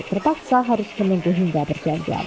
terpaksa harus menunggu hingga berjajan